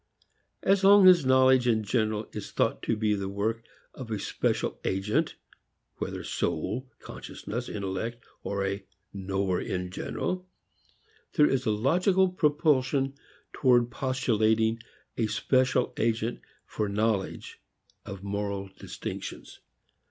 As long as knowledge in general is thought to be the work of a special agent, whether soul, consciousness, intellect or a knower in general, there is a logical propulsion towards postulating a special agent for knowledge of moral distinctions.